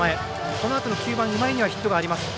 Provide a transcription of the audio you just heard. このあとの９番、今井にはヒットがあります。